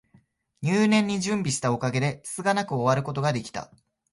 入念に準備したおかげで、つつがなく終えることが出来た